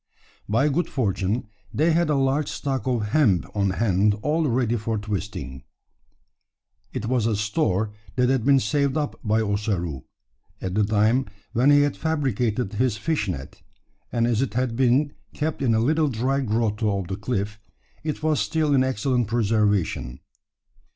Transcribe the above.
By good fortune they had a large stock of hemp on hand all ready for twisting. It was a store that had been saved up by Ossaroo at the time when he had fabricated his fish net; and as it had been kept in a little dry grotto of the cliff, it was still in excellent preservation.